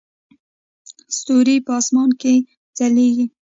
ستوري په اسمان کې ځلیږي